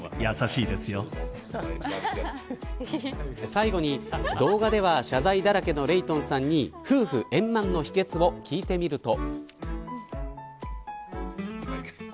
最後に、動画では謝罪だらけのレイトンさんに夫婦円満の秘けつを聞いてみると。